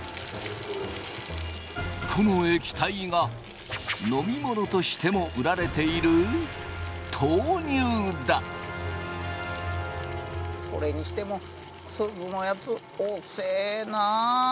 この液体が飲み物としても売られているそれにしてもすずのやつ遅えなあ。